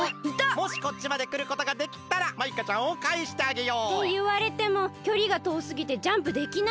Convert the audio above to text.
もしこっちまでくることができたらマイカちゃんをかえしてあげよう。っていわれてもきょりがとおすぎてジャンプできないよね？